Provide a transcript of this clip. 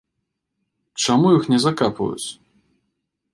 Чаму іх не закапваюць?